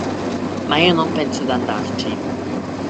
Ma io non penso d'andarci.